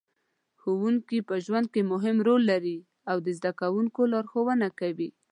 ښوونکې په ژوند کې مهم رول لري او د زده کوونکو لارښوونه کوي.